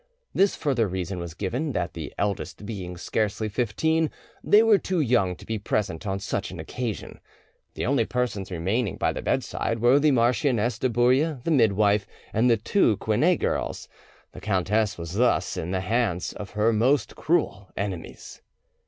This further reason was given, that the eldest being scarcely fifteen, they were too young to be present on such an occasion. The only persons remaining by the bedside were the Marchioness de Bouille, the midwife, and the two Quinet girls; the countess was thus in the hands of her most cruel enemies.